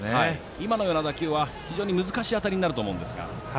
今のような打球は非常に難しい当たりになると思いますが。